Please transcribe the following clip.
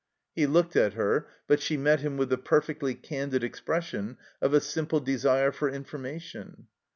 He looked at her, but she met him with the perfectly candid expression of a simple desire for information.